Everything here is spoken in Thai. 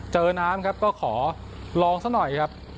เจอน้ำครับก็ขอลองซะหน่อยครับ